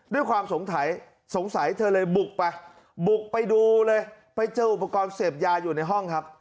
ด้วยความสงสัยสงสัยเธอเลยบุกไปบุกไปดูเลยไปเจออุปกรณ์เสพยาอยู่ในห้องครับ